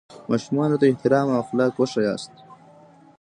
ماشومانو ته احترام او اخلاق وښیاست.